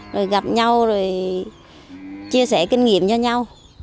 rồi gặp nhau rồi chia sẻ kinh nghiệm cho nhau